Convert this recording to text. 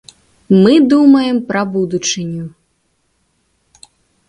Мы думаем пра будучыню.